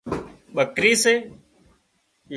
ٻڪرِي سي